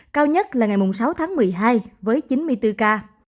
cao nhất là ngày sáu tháng một mươi hai với chín mươi bốn ca